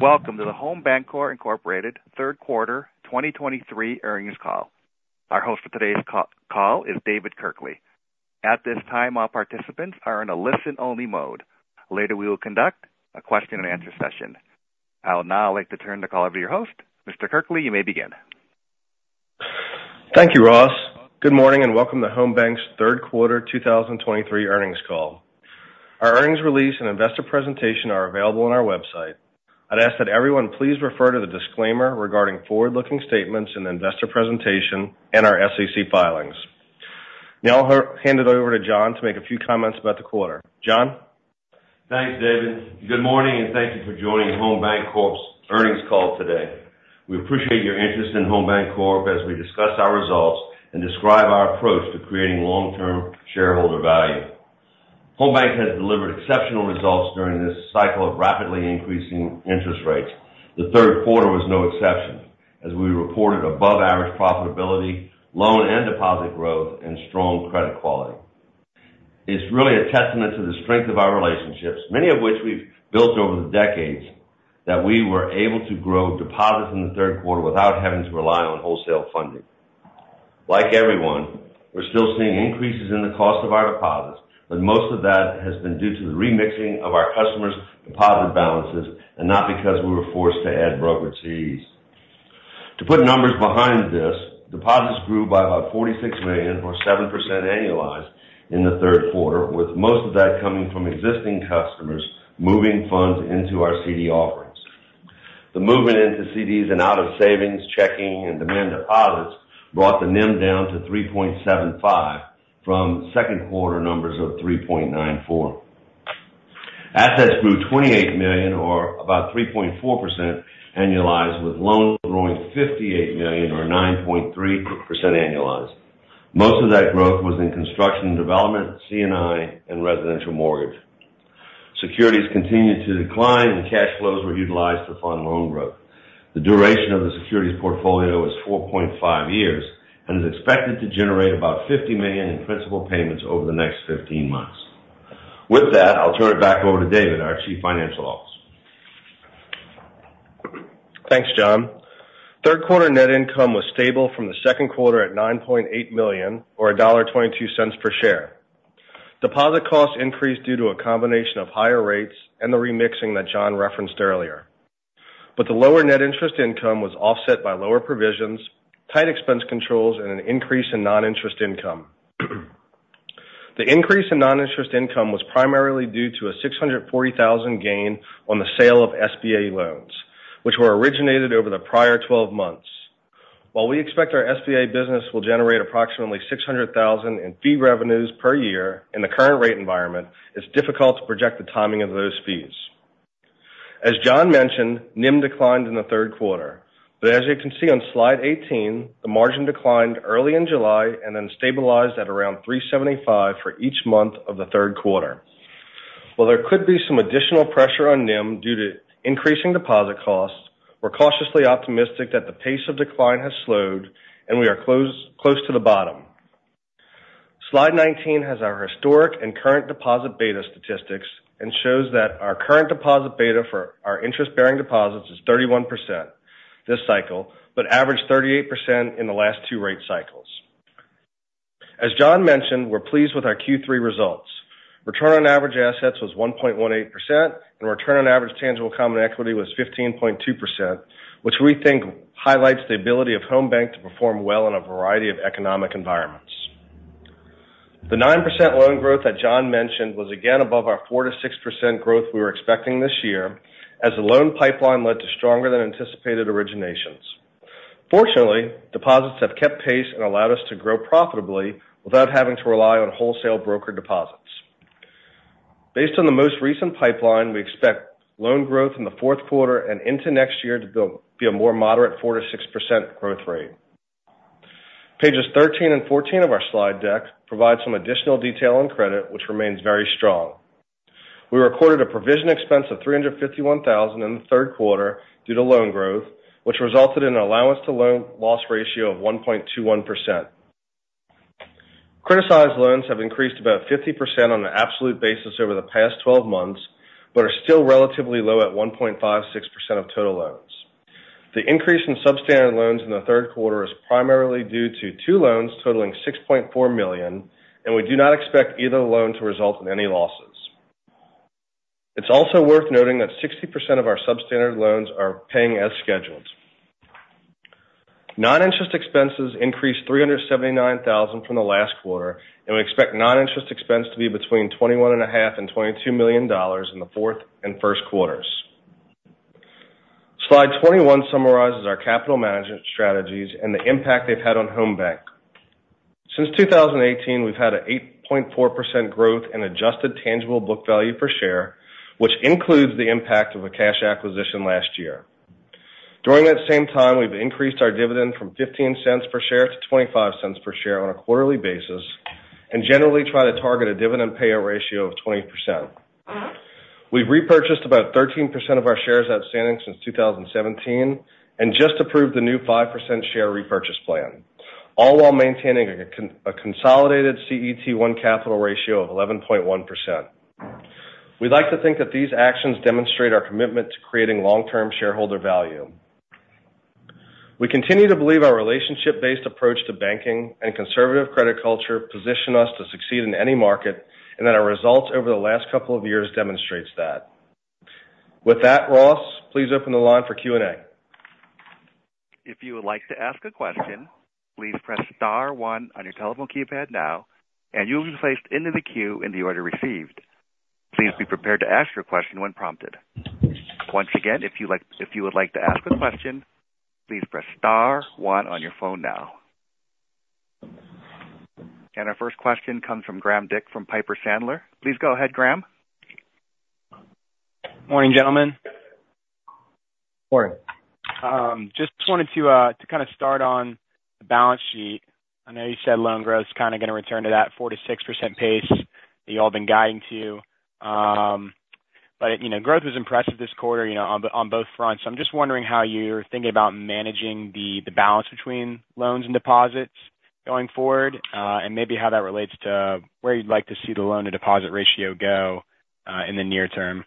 Welcome to the Home Bancorp Incorporated Third Quarter 2023 Earnings Call. Our host for today's call is David Kirkley. At this time, all participants are in a listen-only mode. Later, we will conduct a question-and-answer session. I would now like to turn the call over to your host. Mr. Kirkley, you may begin. Thank you, Ross. Good morning, and welcome to Home Banc's Third Quarter 2023 Earnings Call. Our earnings release and investor presentation are available on our website. I'd ask that everyone please refer to the disclaimer regarding forward-looking statements in the investor presentation and our SEC filings. Now, I'll hand it over to John to make a few comments about the quarter. John? Thanks, David. Good morning, and thank you for joining Home Bancorp's Earnings Call today. We appreciate your interest in Home Bancorp as we discuss our results and describe our approach to creating long-term shareholder value. Home Bancorp has delivered exceptional results during this cycle of rapidly increasing interest rates. The third quarter was no exception, as we reported above-average profitability, loan and deposit growth, and strong credit quality. It's really a testament to the strength of our relationships, many of which we've built over the decades, that we were able to grow deposits in the third quarter without having to rely on wholesale funding. Like everyone, we're still seeing increases in the cost of our deposits, but most of that has been due to the remixing of our customers' deposit balances and not because we were forced to add brokerage fees. To put numbers behind this, deposits grew by about $46 million, or 7% annualized in the third quarter, with most of that coming from existing customers moving funds into our CD offerings. The movement into CDs and out of savings, checking, and demand deposits brought the NIM down to 3.75% from second-quarter numbers of 3.94%. Assets grew $28 million, or about 3.4% annualized, with loans growing $58 million, or 9.3% annualized. Most of that growth was in construction and development, C&I, and residential mortgage. Securities continued to decline, and cash flows were utilized to fund loan growth. The duration of the securities portfolio was 4.5 years and is expected to generate about $50 million in principal payments over the next 15 months. With that, I'll turn it back over to David, our Chief Financial Officer. Thanks, John. Third quarter net income was stable from the second quarter at $9.8 million, or $1.22 per share. Deposit costs increased due to a combination of higher rates and the remixing that John referenced earlier. But the lower net interest income was offset by lower provisions, tight expense controls, and an increase in non-interest income. The increase in non-interest income was primarily due to a $640,000 gain on the sale of SBA loans, which were originated over the prior 12 months. While we expect our SBA business will generate approximately $600,000 in fee revenues per year in the current rate environment, it's difficult to project the timing of those fees. As John mentioned, NIM declined in the third quarter, but as you can see on slide 18, the margin declined early in July and then stabilized at around 3.75% for each month of the third quarter. While there could be some additional pressure on NIM due to increasing deposit costs, we're cautiously optimistic that the pace of decline has slowed and we are close, close to the bottom. Slide 19 has our historic and current deposit beta statistics and shows that our current deposit beta for our interest-bearing deposits is 31% this cycle, but averaged 38% in the last two rate cycles. As John mentioned, we're pleased with our Q3 results. Return on average assets was 1.18%, and return on average tangible common equity was 15.2%, which we think highlights the ability of Home Banc to perform well in a variety of economic environments. The 9% loan growth that John mentioned was, again, above our 4%-6% growth we were expecting this year, as the loan pipeline led to stronger than anticipated originations. Fortunately, deposits have kept pace and allowed us to grow profitably without having to rely on wholesale broker deposits. Based on the most recent pipeline, we expect loan growth in the fourth quarter and into next year to be a more moderate 4%-6% growth rate. Pages 13 and 14 of our slide deck provide some additional detail on credit, which remains very strong. We recorded a provision expense of $351,000 in the third quarter due to loan growth, which resulted in an allowance to loan loss ratio of 1.21%. Criticized loans have increased about 50% on an absolute basis over the past 12 months, but are still relatively low at 1.56% of total loans. The increase in substandard loans in the third quarter is primarily due to two loans totaling $6.4 million, and we do not expect either loan to result in any losses. It's also worth noting that 60% of our substandard loans are paying as scheduled. Non-interest expenses increased by $379,000 from the last quarter, and we expect non-interest expense to be between $21.5 million and $22 million in the fourth and first quarters. Slide 21 summarizes our capital management strategies and the impact they've had on Home Banc. Since 2018, we've had an 8.4% growth in adjusted tangible book value per share, which includes the impact of a cash acquisition last year. During that same time, we've increased our dividend from $0.15 per share to $0.25 per share on a quarterly basis and generally try to target a dividend payout ratio of 20%. We've repurchased about 13% of our shares outstanding since 2017 and just approved the new 5% share repurchase plan all while maintaining a consolidated CET1 capital ratio of 11.1%. We'd like to think that these actions demonstrate our commitment to creating long-term shareholder value. We continue to believe our relationship-based approach to banking and conservative credit culture position us to succeed in any market, and that our results over the last couple of years demonstrates that. With that, Ross, please open the line for Q&A. If you would like to ask a question, please press star one on your telephone keypad now, and you'll be placed into the queue in the order received. Please be prepared to ask your question when prompted. Once again, if you would like to ask a question, please press star one on your phone now. Our first question comes from Graham Dick from Piper Sandler. Please go ahead, Graham. Morning, gentlemen. Morning. Just wanted to kind of start on the balance sheet. I know you said loan growth is kind of going to return to that 4%-6% pace that you all have been guiding to. But, you know, growth was impressive this quarter, you know, on both fronts. So I'm just wondering how you're thinking about managing the balance between loans and deposits going forward, and maybe how that relates to where you'd like to see the loan-to-deposit ratio go in the near term.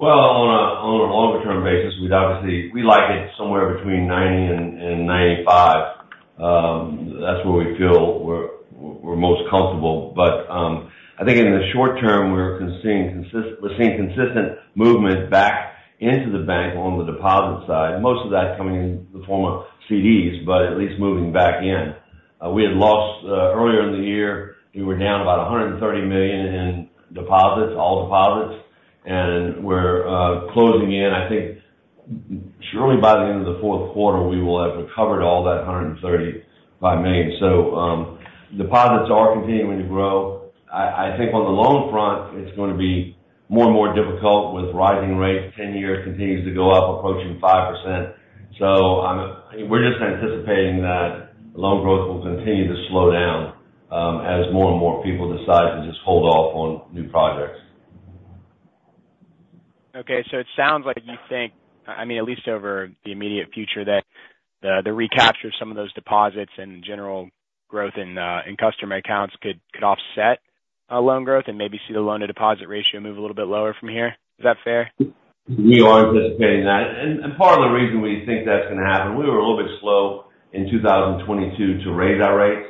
Well, on a longer-term basis, we'd obviously like it somewhere between 90 and 95. That's where we feel we're most comfortable. But, I think in the short term, we're seeing consistent movement back into the bank on the deposit side, most of that coming in the form of CDs, but at least moving back in. Earlier in the year, we were down about $130 million in deposits, all deposits, and we're closing in. I think surely by the end of the fourth quarter, we will have recovered all that $135 million. So, deposits are continuing to grow. I think on the loan front, it's going to be more and more difficult with rising rates. 10-year continues to go up, approaching 5%. So we're just anticipating that loan growth will continue to slow down, as more and more people decide to just hold off on new projects. Okay, so it sounds like you think, I mean, at least over the immediate future, that the recapture of some of those deposits and general growth in customer accounts could offset loan growth and maybe see the loan-to-deposit ratio move a little bit lower from here. Is that fair? We are anticipating that. And part of the reason we think that's going to happen, we were a little bit slow in 2022 to raise our rates.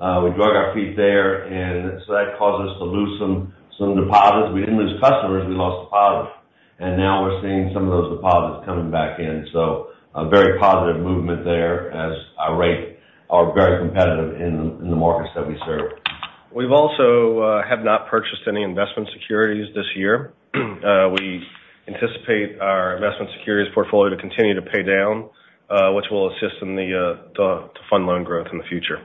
We drug our feet there, and so that caused us to lose some deposits. We didn't lose customers, we lost deposits. And now we're seeing some of those deposits coming back in, so a very positive movement there as our rates are very competitive in the markets that we serve. We've also have not purchased any investment securities this year. We anticipate our investment securities portfolio to continue to pay down, which will assist in the, the, to fund loan growth in the future.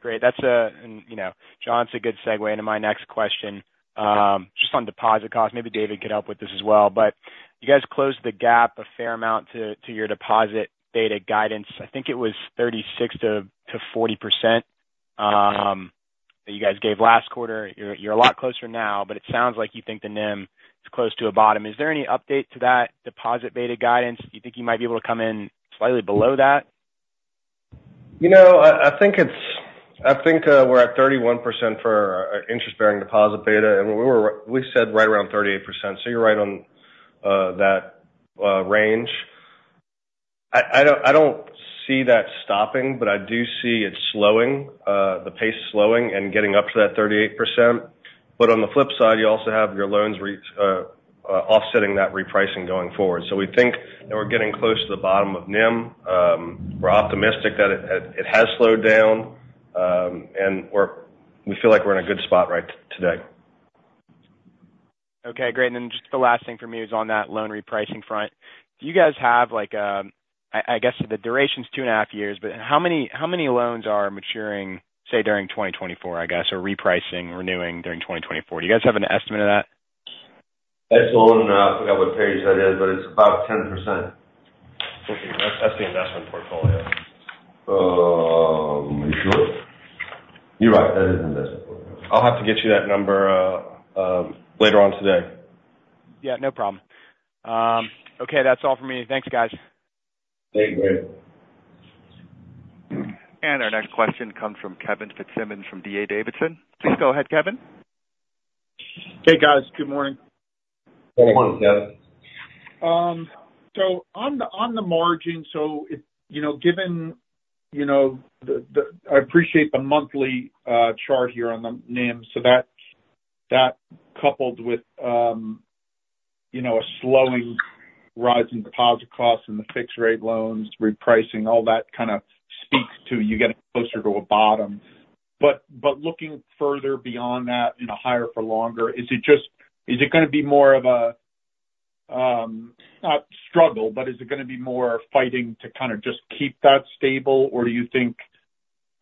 Great. That's a, and, you know, John, it's a good segue into my next question. Just on deposit costs, maybe David could help with this as well, but you guys closed the gap a fair amount to your deposit beta guidance. I think it was 36%-40% that you guys gave last quarter. You're a lot closer now, but it sounds like you think the NIM is close to a bottom. Is there any update to that deposit beta guidance? Do you think you might be able to come in slightly below that? You know, I think we're at 31% for our interest-bearing deposit beta, and we were, we said right around 38%. So you're right on that range. I don't see that stopping, but I do see it slowing, the pace slowing and getting up to that 38%. But on the flip side, you also have your loans repricing offsetting that repricing going forward. So we think that we're getting close to the bottom of NIM. We're optimistic that it has slowed down, and we feel like we're in a good spot right today. Okay, great. And then just the last thing for me is on that loan repricing front. Do you guys have like a, I guess, the duration's two and a half years, but how many loans are maturing, say, during 2024, I guess, or repricing, renewing during 2024? Do you guys have an estimate of that? That's on, I forgot what page that is, but it's about 10%. That's the investment portfolio. Are you sure? You're right, that is an investment portfolio. I'll have to get you that number later on today. Yeah, no problem. Okay, that's all for me. Thanks, guys. Thank you, Graham. Our next question comes from Kevin Fitzsimmons from D.A. Davidson. Please go ahead, Kevin. Hey, guys. Good morning. Good morning, Kevin. On the margin, given, I appreciate the monthly chart here on the NIM. So that coupled with a slowing rise in deposit costs and the fixed rate loans repricing, all that kind of speaks to you getting closer to a bottom. But looking further beyond that, in a higher for longer, is it just- is it going to be more of a, not struggle, but is it going to be more fighting to kind of just keep that stable? Or do you think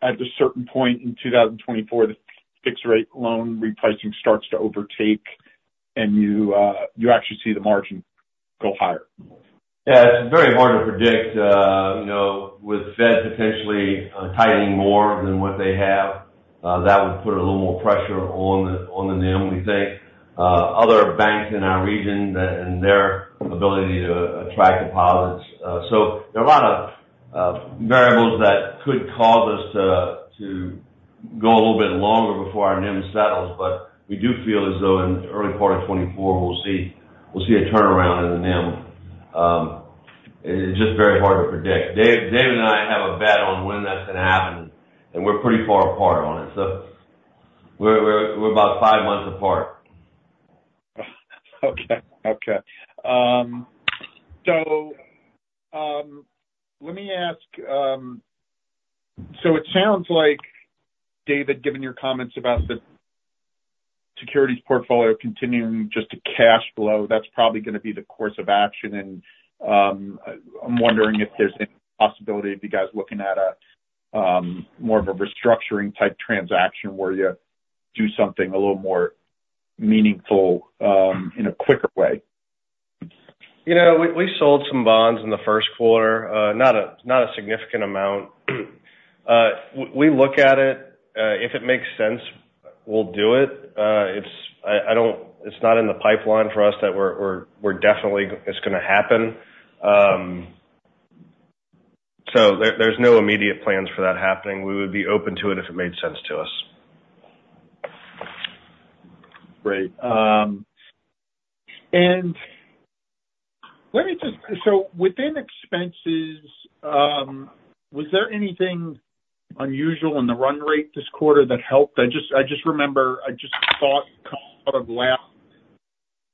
at a certain point in 2024, the fixed rate loan repricing starts to overtake and you, you actually see the margin go higher? Yeah, it's very hard to predict, you know, with the Fed potentially tightening more than what they have that would put a little more pressure on the, on the NIM, we think. Other banks in our region that, and their ability to attract deposits. So there are a lot of variables that could cause us to go a little bit longer before our NIM settles, but we do feel as though in the early part of 2024, we'll see, we'll see a turnaround in the NIM. It's just very hard to predict. David and I have a bet on when that's going to happen, and we're pretty far apart on it, so we're about five months apart. Okay. Let me ask, it sounds like, David, given your comments about the securities portfolio continuing just to cash flow, that's probably going to be the course of action. I'm wondering if there's any possibility of you guys looking at a more of a restructuring type transaction where you do something a little more meaningful, in a quicker way? You know, we sold some bonds in the first quarter, not a significant amount. We look if it makes sense, we'll do it. It's not in the pipeline for us that we're definitely, it's gonna happen. There no immediate plans for that happening. We would be open to it if it made sense to us. Great. Let me just so within expenses, was there anything unusual in the run rate this quarter that helped? I just remember, I just thought coming out of last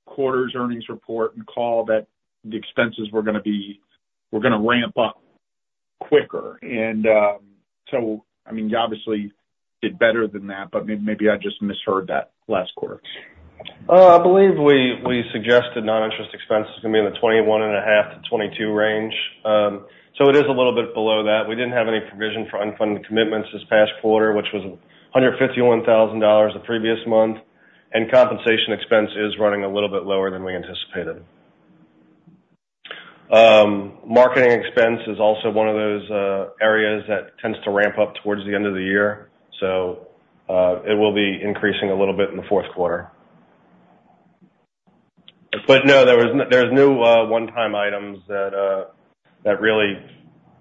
quarter's earnings report and call that the expenses were going to be, were going to ramp up quicker. You obviously did better than that, but maybe I just misheard that last quarter. I believe we suggested non-interest expenses are going to be in the $21.5 million to $22 million range. So it is a little bit below that. We didn't have any provision for unfunded commitments this past quarter, which was $151,000 the previous month, and compensation expense is running a little bit lower than we anticipated. Marketing expense is also one of those areas that tends to ramp up towards the end of the year. It will increase a little bit in the fourth quarter. But no, there were no one-time items that really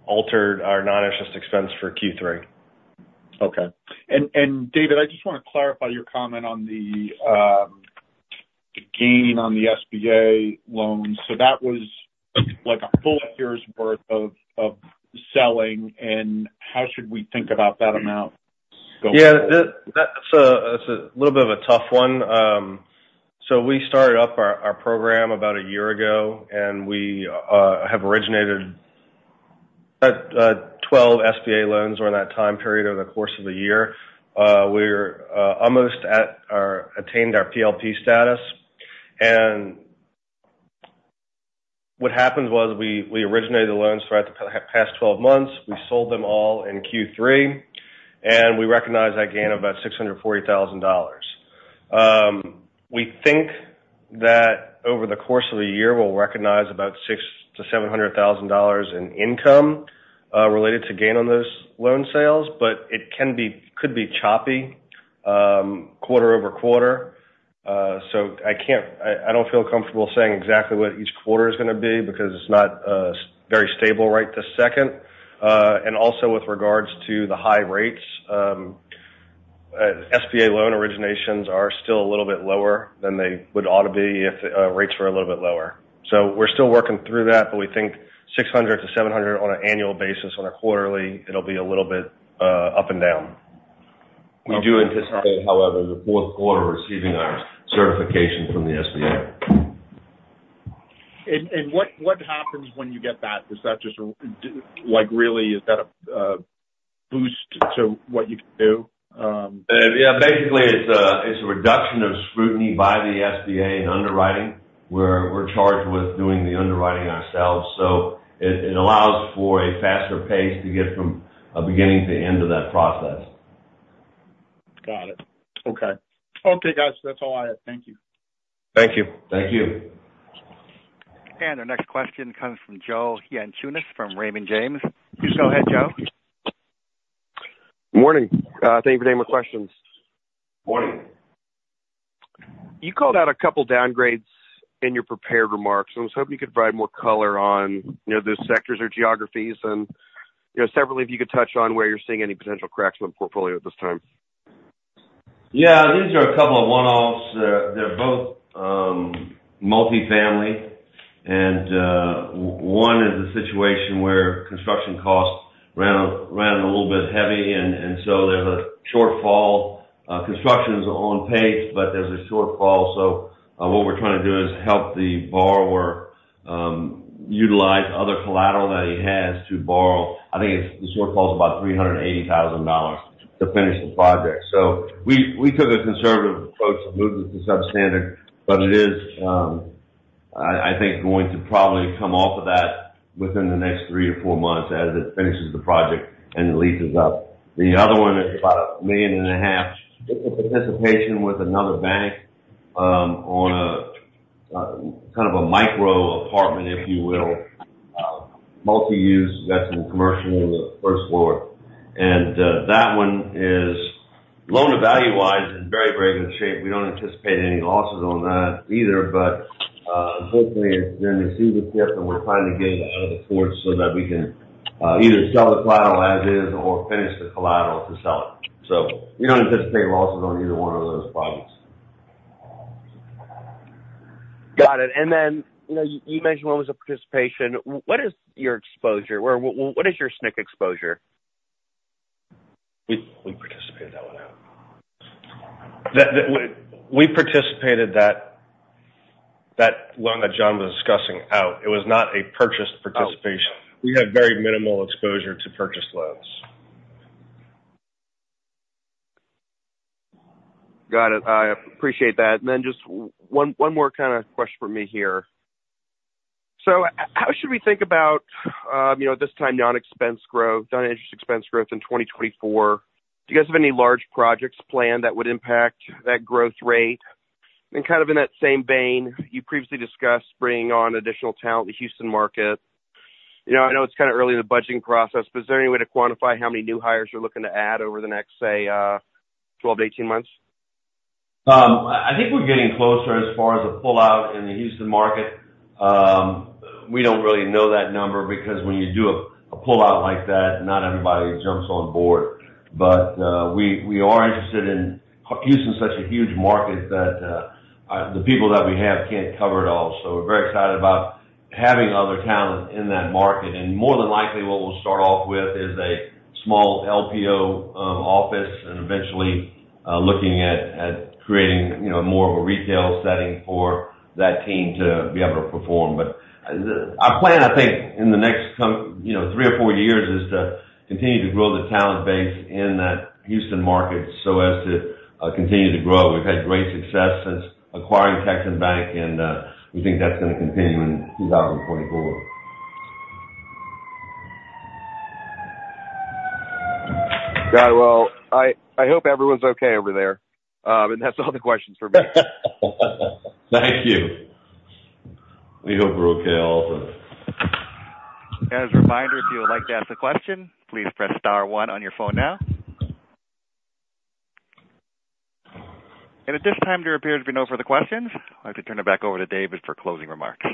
altered our non-interest expense for Q3. David, I just want to clarify your comment on the gain on the SBA loans. That was like a full year's worth of selling, and how should we think about that amount going forward? That's a little bit of a tough one. We started up our program about a year ago, and we have originated 12 SBA loans over that time period over the course of the year. We're almost attained our PLP status. And what happened was we originated the loans throughout the past 12 months. We sold them all in Q3, and we recognized that gain of about $640,000. We think that over the course of the year, we'll recognize about $600,000-$700,000 in income related to gain on those loan sales, but it could be choppy quarter-over-quarter. I can't. I don't feel comfortable saying exactly what each quarter is going to be because it's not very stable right this second. And also with regards to the high rates, SBA loan originations are still a little bit lower than they would be if rates were a little bit lower. So we're still working through that, but we think 600-700 on an annual basis. On a quarterly basis, it'll be a little bit up and down. We do anticipate, however, the fourth quarter receiving our certification from the SBA. What happens when you get that? Does that just boost to what you can do? Basically, it's a reduction of scrutiny by the SBA in underwriting, where we're charged with doing the underwriting ourselves, so it allows for a faster pace to get from beginning to end of that process. Got it. Okay, guys, that's all I have. Thank you. Thank you. Thank you. Our next question comes from Joe Yanchunis from Raymond James. Please go ahead, Joe. Morning. Thank you for taking my questions. Morning. You called out a couple of downgrades in your prepared remarks. I was hoping you could provide more color on those sectors or geographies, and separately, if you could touch on where you're seeing any potential cracks in the portfolio at this time. Yeah, these are a couple of one-offs. They're both multifamily, and one is a situation where construction costs ran a little bit heavy, and so there's a shortfall. Construction is on pace, but there's a shortfall. So, what we're trying to do is help the borrower utilize other collateral that he has to borrow. I think the shortfall is about $380,000 to finish the project. So we took a conservative approach to move this to substandard, but it is, I think, going to probably come off of that within the next three or four months as it finishes the project and the lease is up. The other one is about $1.5 million in participation with another bank on a kind of a micro apartment, if you will. Multi-use. We've got some commercial on the first floor, and that one is loan-to-value-wise in very, very good shape. We don't anticipate any losses on that either, but hopefully it's going to receivership, and we're planning to get it out of the foreclosure so that we can either sell the collateral as is or finish the collateral to sell it. So we don't anticipate losses on either one of those properties. Got it. And then, you know, you mentioned one was a participation. What is your exposure or what is your SNC exposure? We participated that loan that John was discussing out. It was not a purchased participation. We had very minimal exposure to purchased loans. Got it. I appreciate that. And then just one more kind of question from me here. So how should we think about, you know, at this time, non-interest expense growth in 2024? Do you guys have any large projects planned that would impact that growth rate? And kind of in that same vein, you previously discussed bringing on additional talent to the Houston market. I know it's kind of early in the budgeting process, but is there any way to quantify how many new hires you're looking to add over the next, say, 12-18 months? I think we're getting closer as far as a buildout in the Houston market. We don't really know that number because when you do a buildout like that, not everybody jumps on board. But we are interested in Houston's such a huge market that the people that we have can't cover it all. We're very excited about having other talent in that market. And more than likely, what we'll start off with is a small LPO office, and eventually looking at creating more of a retail setting for that team to be able to perform. Our plan in the next three or four years, is to continue to grow the talent base in that Houston market so as to continue to grow. We've had great success since acquiring Texan Bank, and we think that's going to continue in 2024. Very well. I, I hope everyone's okay over there. And that's all the questions for me. Thank you. We hope we're okay also. As a reminder, if you would like to ask a question, please press star one on your phone now. At this time, there appear to be no further questions. I'd like to turn it back over to David for closing remarks.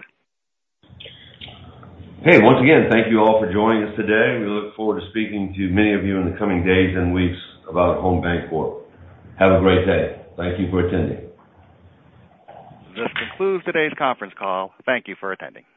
Hey, once again, thank you all for joining us today. We look forward to speaking to many of you in the coming days and weeks about Home Bancorp. Have a great day. Thank you for attending. This concludes today's conference call. Thank you for attending.